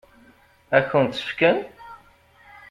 Ad kent-tt-fken?